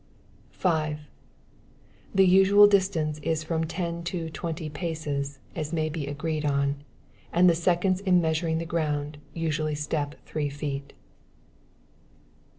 5. The usual distance is from ten to twenty paces, as may be agreed on; and the seconds in measuring the ground, usually step three feet.